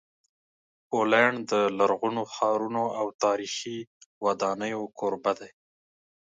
پولینډ د لرغونو ښارونو او تاریخي ودانیو کوربه دی.